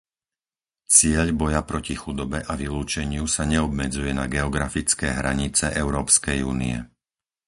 Cieľ boja proti chudobe a vylúčeniu sa neobmedzuje na geografické hranice Európskej únie.